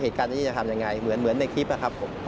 เหตุการณ์นี้จะทำยังไงเหมือนในคลิปนะครับผม